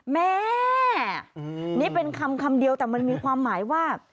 แม่นี่เป็นคำคำเดียวแต่มันมีความหมายว่า